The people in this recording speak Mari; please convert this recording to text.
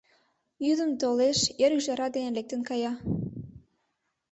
Йӱдым толеш, эр ӱжара дене лектын кая.